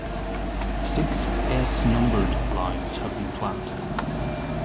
Six "S-numbered" lines have been planned.